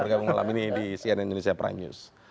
bergabung malam ini di cnn indonesia prime news